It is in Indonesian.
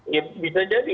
ya bisa jadi